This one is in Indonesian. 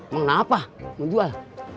mengapa mau jual